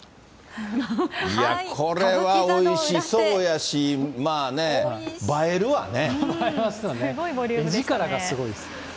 これはおいしそうやし、まあね、映えるわね。